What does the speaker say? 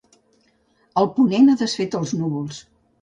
El ponent ha desfet els núvols.